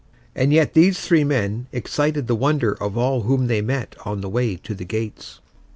And yet these three men excited the wonder of all whom they met on the way to the gates.